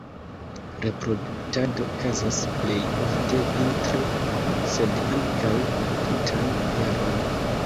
Reproduktado okazas plej ofte vintre, sed ankaŭ la tutan jaron.